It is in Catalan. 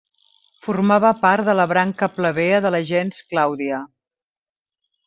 Formava part de la branca plebea de la gens Clàudia.